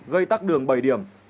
gây tắt đường bảy điểm